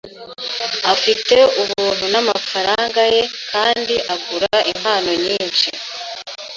Afite ubuntu namafaranga ye kandi agura impano nyinshi.